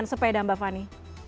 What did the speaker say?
sepeda mbak fani